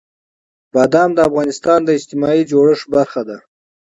بادام د افغانستان د اجتماعي جوړښت برخه ده.